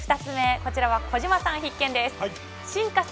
こちらは小島さん必見です。